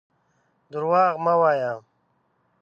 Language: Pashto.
درواغ مه وايه.